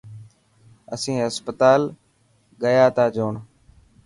اسين هسپتال هيا تا جوڻ.